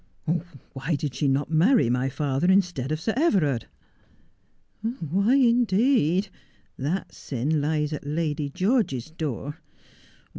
' Why did she not marry my father instead of Sir Everard ?' 'Why, indeed! That sin lies at Lady George's door.